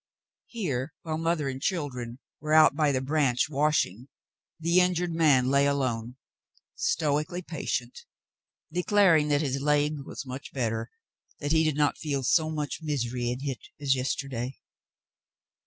Here, while mother and children were out by '*the branch'* washing, the injured man lay alone, stoically patient, declaring that his "laig" was some better, that he did not feel '*so much misery in hit as yesterday.'